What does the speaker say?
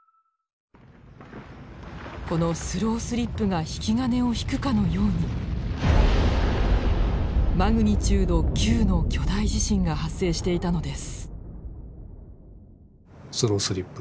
このスロースリップが引き金を引くかのようにマグニチュード９の巨大地震が発生していたのです。